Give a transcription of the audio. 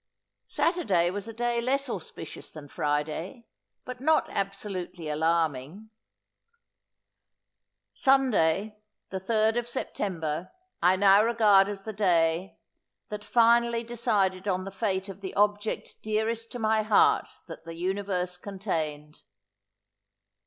Saturday was a day less auspicious than Friday, but not absolutely alarming. Sunday, the third of September, I now regard as the day, that finally decided on the fate of the object dearest to my heart that the universe contained.